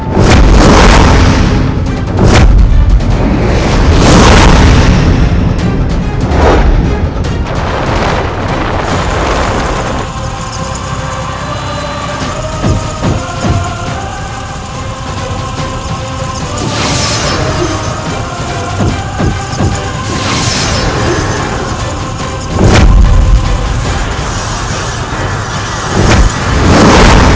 terima kasih raden